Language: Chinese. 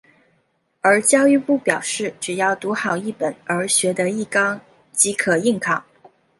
而教育部表示只要读好一本而学得一纲即可应考。